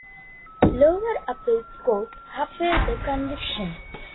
Lower appeals courts upheld the conviction.